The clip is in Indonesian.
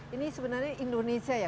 ini sebenarnya indonesia ya